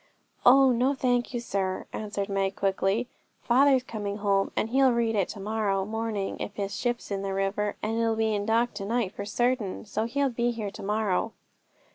'Oh no, thank you, sir,' answered Meg quickly; 'father's coming home, and he'll read it to morrow morning. His ship's in the river, and it'll be in dock to night for certain. So he'll be home to morrow.'